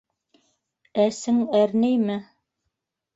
Әсең әрнейме?